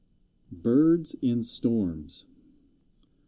BIRDS IN STORMS.